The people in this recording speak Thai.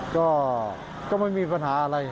ก็ไม่มีปัญหาอะไร